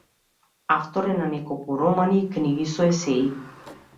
Автор е на неколку романи и книги со есеи.